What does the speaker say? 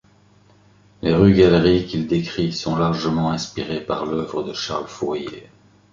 Les rues-galeries qu'il décrit sont largement inspirées par l'œuvre de Charles Fourier.